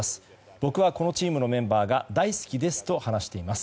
僕はこのチームのメンバーが大好きですと話しています。